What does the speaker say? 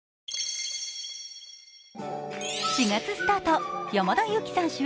４月スタート、山田裕貴さん主演